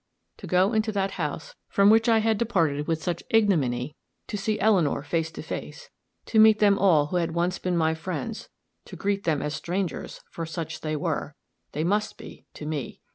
To go into that house from which I had departed with such ignominy to see Eleanor face to face to meet them all who had once been my friends to greet them as strangers, for such they were they must be, to me!